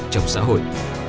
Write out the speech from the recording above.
trong xã hội